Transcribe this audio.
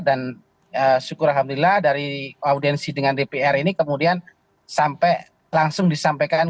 dan syukur alhamdulillah dari audiensi dengan dpr ini kemudian sampai langsung disampaikan